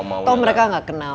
atau mereka gak kenal